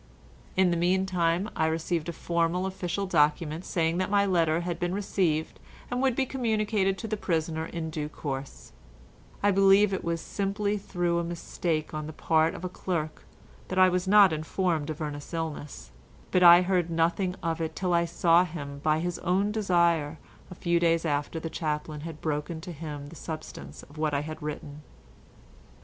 In the meantime I received a formal official document saying that my letter had been received and would be communicated to the prisoner in due course; I believe it was simply through a mistake on the part of a clerk that I was not informed of Ernest's illness, but I heard nothing of it till I saw him by his own desire a few days after the chaplin had broken to him the substance of what I had written.